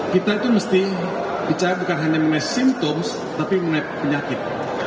kita itu mesti bicara bukan hanya mengenai simptoms tapi mengenai penyakit